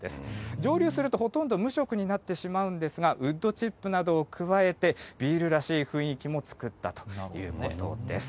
蒸留するとほとんど無色になってしまうんですが、ウッドチップなどを加えて、ビールらしい雰囲気も作ったということです。